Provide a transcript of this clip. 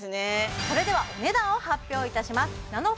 それではお値段を発表いたしますお！